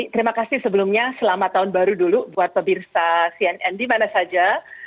terima kasih sebelumnya selamat tahun baru dulu buat pebirsa cnn di mana saja